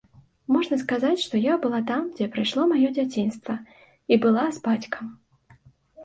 Можна сказаць, што я была там, дзе прайшло маё дзяцінства і была з бацькам.